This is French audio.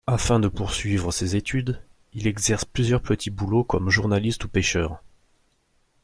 Afin de poursuivre ses études, il exerce plusieurs petits boulots comme journaliste ou pêcheur.